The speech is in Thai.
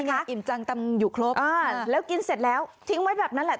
อิ่มจังตำอยู่ครบอ่าแล้วกินเสร็จแล้วทิ้งไว้แบบนั้นแหละ